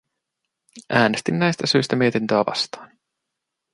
Äänestin näistä syistä mietintöä vastaan.